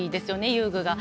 遊具が。